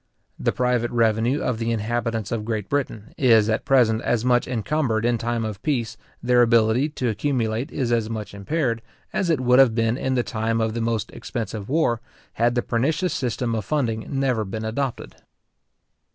The private revenue of the inhabitants of Great Britain is at present as much incumbered in time of peace, their ability to accumulate is as much impaired, as it would have been in the time of the most expensive war, had the pernicious system of funding never been adopted.